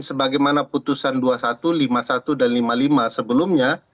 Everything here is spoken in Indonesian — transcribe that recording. sebagaimana putusan dua puluh satu lima puluh satu dan lima puluh lima sebelumnya